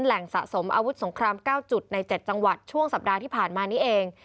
แหล่งสะสมอาวุธสงคราม๙จุดใน๗จังหวัดช่วงสัปดาห์ที่ผ่านมานี้เอง